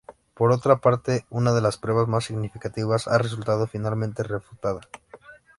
Por otra parte, una de las "pruebas" más significativas ha resultado finalmente refutada.